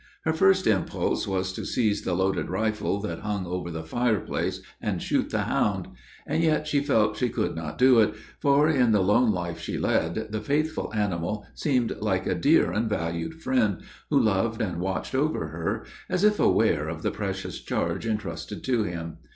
Her first impulse was to seize the loaded rifle that hung over the fire place, and shoot the hound; and yet she felt she could not do it, for, in the lone life she led, the faithful animal seemed like a dear and valued friend, who loved and watched over her, as if aware of the precious charge intrusted to him.